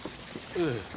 ええ。